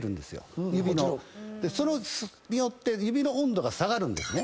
それによって指の温度が下がるんですね。